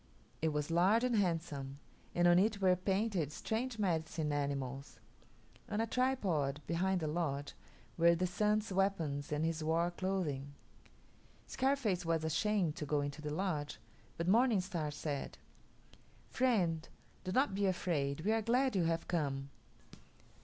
It was large and handsome, and on it were painted strange medicine animals. On a tripod behind the lodge were the Sun's weapons and his war clothing. Scarface was ashamed to go into the lodge, but Morning Star said, "Friend, do not be afraid; we are glad you have come."